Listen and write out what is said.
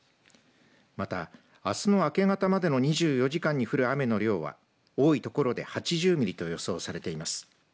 また、あすの明け方までの２４時間に降る雨の量は多いところで８０ミリと予想されています。